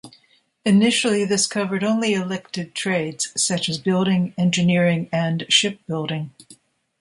Initially this covered only elected trades, such as building, engineering and shipbuilding.